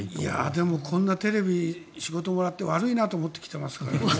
でも、こんなテレビの仕事もらって悪いなと思って来ていますから。